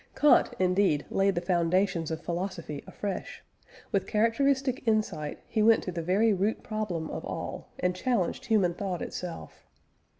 Kant, indeed, laid the foundations of philosophy afresh. With characteristic insight, he went to the very root problem of all, and challenged human thought itself.